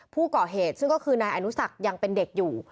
ผู้ก่อเหตุซึ่งก็คือนายอนุสักยังเป็นเด็กอยู่